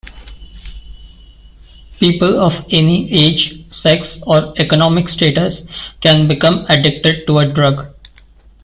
People of any age, sex or economic status can become addicted to a drug.